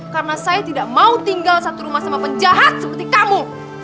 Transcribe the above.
karena saya tidak mau tinggal satu rumah sama penjahat seperti kamu